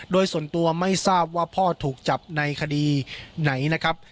โดยส่วนตัวไม่ทราบว่าพ่อถูกจับในคดีไหนนะครับ